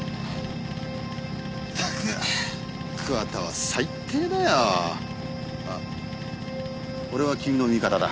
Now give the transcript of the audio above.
ったく桑田は最低だよあっ俺は君の味方だ